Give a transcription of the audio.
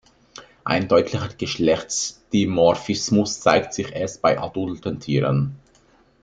Ein deutlicher Geschlechtsdimorphismus zeigt sich erst bei adulten Tieren.